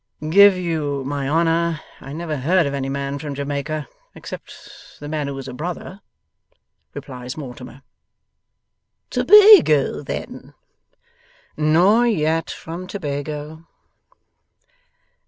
'Give you my honour I never heard of any man from Jamaica, except the man who was a brother,' replies Mortimer. 'Tobago, then.' 'Nor yet from Tobago.